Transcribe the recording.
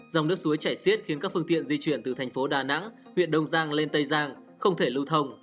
dòng nước suối chảy xiết khiến các phương tiện di chuyển từ thành phố đà nẵng huyện đông giang lên tây giang không thể lưu thông